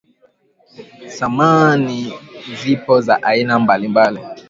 samadi zipo za aina mbalimbali